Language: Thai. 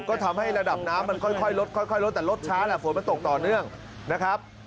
ก็ทำให้ระดับน้ำมันค่อยลดค่อยลดแต่ลดช้าแหละฝนมันตกต่อเนื่องนะครับ